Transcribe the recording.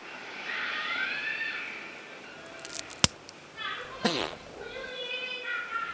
なるほどこういうエレベーターか。